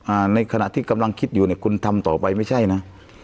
ในขณะที่กำลังคิดอยู่เนี่ยคุณทำต่อไปไม่ใช่นะ